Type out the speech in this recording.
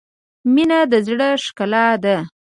• مینه د زړۀ ښکلا ده.